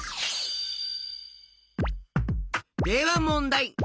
ではもんだい。